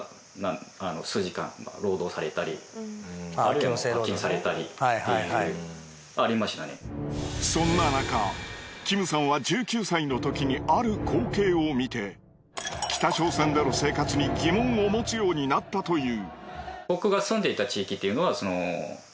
とにかく服装とかもそんななかキムさんは１９歳の時にある光景を見て北朝鮮での生活に疑問を持つようになったという。